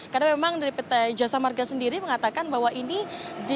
karena memang dari pt jasa marga sendiri mengatakan bahwa ini diskretif